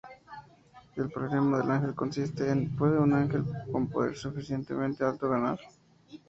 El problema del ángel consiste en: ¿Puede un ángel con poder suficientemente alto ganar?